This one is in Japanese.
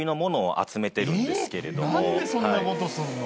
何でそんなことすんの？